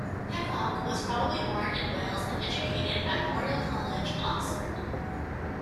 Pecock was probably born in Wales and was educated at Oriel College, Oxford.